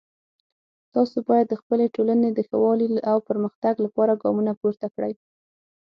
تاسو باید د خپلې ټولنې د ښه والی او پرمختګ لپاره ګامونه پورته کړئ